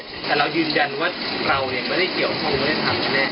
ยืนยันว่าเราเนี่ยไม่ได้เกี่ยวกับห้องการทำแน่